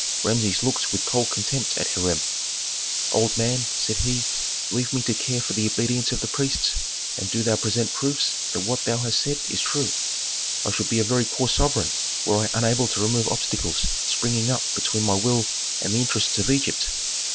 Rameses looked with cold contempt at Hiram. "Old man," said he, "leave me to care for the obedience of the priests, and do thou present proofs that what thou hast said is true. I should be a very poor sovereign were I unable to remove obstacles springing up between my will and the interests of Egypt."